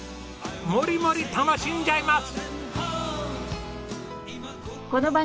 モリモリ楽しんじゃいます！